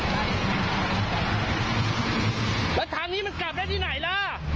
แล้วทางนี้มันกลับได้ที่ไหนล่ะ